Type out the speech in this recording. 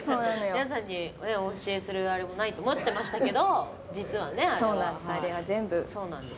皆さんにお教えするあれもないと思ってましたけどそうなんです